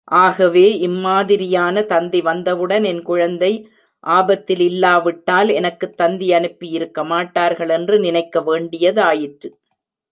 ஆகவே, இம் மாதிரியான தந்தி வந்தவுடன் என் குழந்தை ஆபத்திலில்லாவிட்டால் எனக்குத் தந்தியனுப்பி யிருக்கமாட்டார்கள் என்று நினைக்க வேண்டியதாயிற்று.